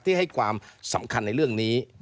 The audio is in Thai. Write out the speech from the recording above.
ให้ความสำคัญในเรื่องนี้